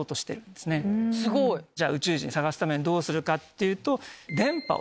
宇宙人探すためにどうするかっていうと。